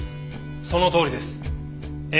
そのとおりです。